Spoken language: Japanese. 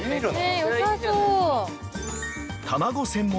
よさそう。